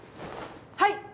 はい！